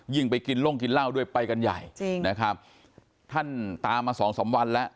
ไปกินล่งกินเหล้าด้วยไปกันใหญ่จริงนะครับท่านตามมาสองสามวันแล้ว